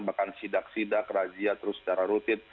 bahkan sidak sidak razia terus secara rutin